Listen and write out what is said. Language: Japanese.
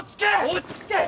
落ち着け！